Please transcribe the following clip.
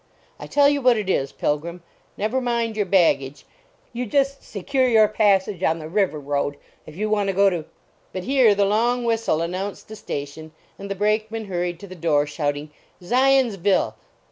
I tell you what it is, Pilgrim, never mind your baggage, you just secure your passage on the River Road if you want to go But just here the long whistle announced a station, and the Brakeman hurried to the door, shouting "Zions VILLE!